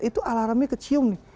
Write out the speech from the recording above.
itu alaramnya kecium nih